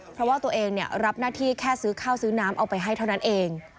เพราะว่าตัวเองรับหน้าที่แค่ซื้อข้าวซื้อน้ำเอาไปให้เท่านั้นเอง